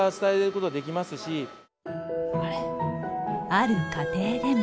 ある家庭でも。